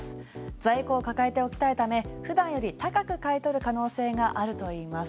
在庫を抱えておきたいため普段より高く買い取る可能性があるといいます。